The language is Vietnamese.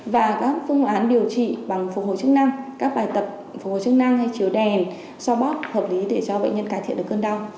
và các phương án điều trị bằng phục hồi chức năng các bài tập phục hồi chức năng hay chiếu đèn so bót hợp lý để cho bệnh nhân cải thiện được cơn đau